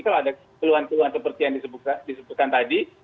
kalau ada keluhan keluhan seperti yang disebutkan tadi